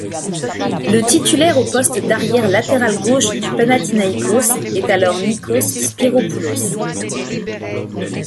Le titulaire au poste d'arrière latéral gauche du Panathinaïkos est alors Níkos Spyrópoulos.